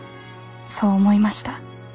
そう思いました。